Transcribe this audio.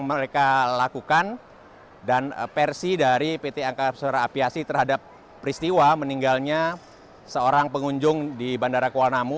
mereka lakukan dan versi dari pt angkasa aviasi terhadap peristiwa meninggalnya seorang pengunjung di bandara kuala namu